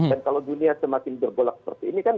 dan kalau dunia semakin berbolak seperti ini kan